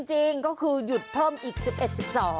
จริงก็คือหยุดเพิ่มอีก๑๑๑๒